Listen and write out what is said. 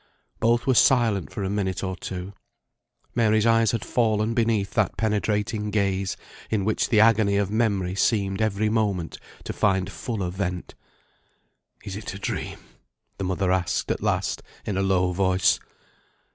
Both were silent for a minute or two. Mary's eyes had fallen beneath that penetrating gaze, in which the agony of memory seemed every moment to find fuller vent. "Is it a dream?" the mother asked at last in a low voice.